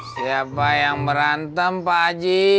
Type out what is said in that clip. siapa yang berantem pak aji